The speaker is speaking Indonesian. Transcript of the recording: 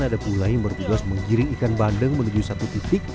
ada pula yang bertugas menggiring ikan bandeng menuju satu titik